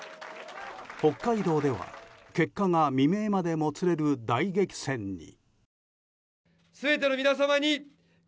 北海道では、結果が未明までもつれる大激戦に。